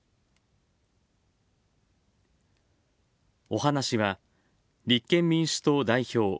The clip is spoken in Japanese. お話しは、立憲民主党代表